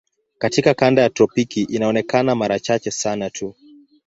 Katika kanda ya tropiki inaonekana mara chache sana tu.